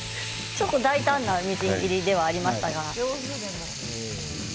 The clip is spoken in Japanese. ちょっと大胆なみじん切りではありましたけど。